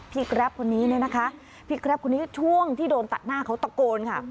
แกรปคนนี้เนี่ยนะคะพี่แกรปคนนี้ช่วงที่โดนตัดหน้าเขาตะโกนค่ะ